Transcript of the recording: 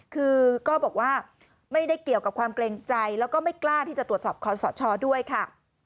คือก็บอกว่าไม่ได้เกี่ยวกับความเกรงใจแล้วก็ไม่กล้าที่จะตรวจสอบคอสชด้วยค่ะ